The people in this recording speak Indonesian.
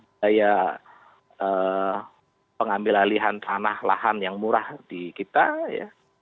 daya pengambil alihan tanah lahan yang murah di kita ya